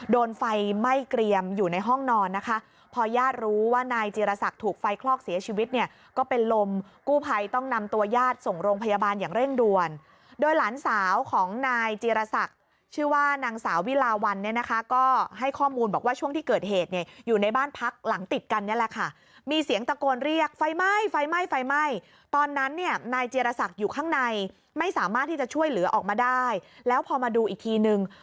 โดนไฟไหม้เกรียมอยู่ในห้องนอนนะคะพอญาติรู้ว่านายจีรศักดิ์ถูกไฟคลอกเสียชีวิตเนี่ยก็เป็นลมกู้ภัยต้องนำตัวยาตรส่งโรงพยาบาลอย่างเร่งด่วนโดยหลานสาวของนายจีรศักดิ์ชื่อว่านางสาววิลาวันเนี่ยนะคะก็ให้ข้อมูลบอกว่าช่วงที่เกิดเหตุเนี่ยอยู่ในบ้านพักหลังติดกันนี่แหละค่ะมี